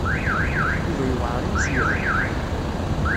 Yuba yewɛeṛ i ussewhem.